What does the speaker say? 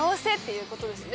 いうことですね。